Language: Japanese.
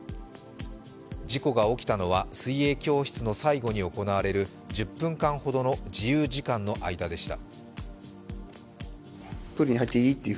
事故が起きたのは、水泳教室の最後に行われる１０分間ほどの自由時間の間でした。